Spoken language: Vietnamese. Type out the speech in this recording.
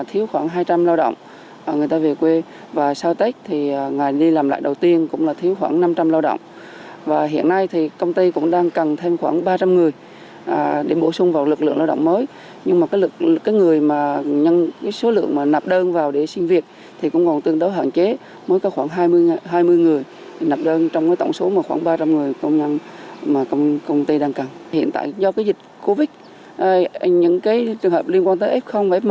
hiện tại do dịch covid một mươi chín những trường hợp liên quan tới f và f một